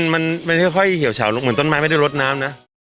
มันค่อยเหี่ยวเฉาเหมือนต้นไม้ไม่ได้ลดน้ำนะ